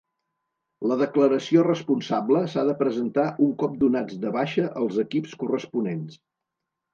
La declaració responsable s'ha de presentar un cop donats de baixa els equips corresponents.